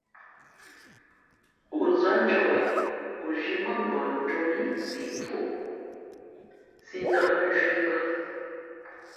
O zάndʉ̄ᾱ wen, o zhī mά mbα njō mǐ sǐʼ tú o, sī ndα̌ʼ nzhwīē i bᾱ.